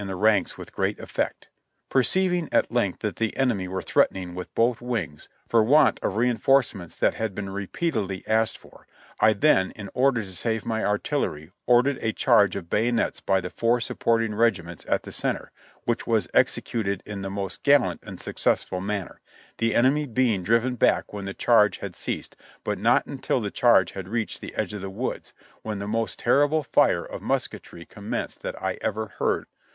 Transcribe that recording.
THi$ battle; 0]? sev£;n pines 143 iiig at length that the enemy were threatening with both wings, for want of reinforcements that had been repeatedly asked for, I then, in order to save my artillery, ordered a charge of bayonets by the four supporting regiments at the center, which was exe cuted in the most gallant and successful manner, the enemy being driven back when the charge had ceased, but not until the charge had reached the edge of the woods, when the most terrible fire of musketry commenced that I ever heard.